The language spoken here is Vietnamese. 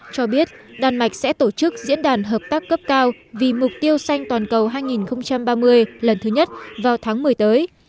cho biết đan mạch sẽ tổ chức diễn đàn hợp tác cấp cao vì mục tiêu xanh toàn cầu hai nghìn ba mươi lần thứ nhất vào tháng một mươi tới